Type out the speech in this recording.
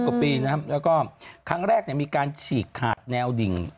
๑๐กว่าปีนะครับและครั้งแรกมีการฉีกขาดแนวหุ้น